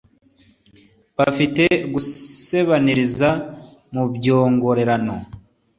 bafite gusebaniriza mu byongorerano,